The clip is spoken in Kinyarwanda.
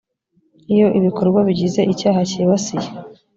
iyo ibikorwa bigize icyaha cyibasiye